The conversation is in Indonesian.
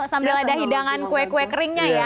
sambil ada hidangan kue kue keringnya ya